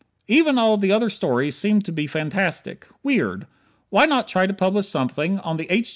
Even all the other stories seem to be fantastic. Weird. Why not try to publish something on the H.